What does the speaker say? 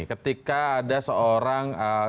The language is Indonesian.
ketika ada seorang